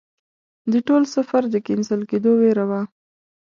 د ټول سفر د کېنسل کېدلو ویره وه.